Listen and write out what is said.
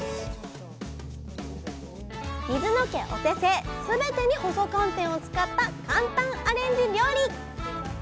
水野家お手製すべてに細寒天を使った簡単アレンジ料理！